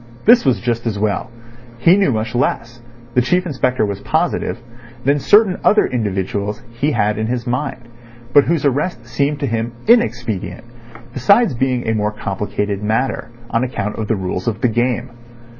This was just as well. He knew much less—the Chief Inspector was positive—than certain other individuals he had in his mind, but whose arrest seemed to him inexpedient, besides being a more complicated matter, on account of the rules of the game.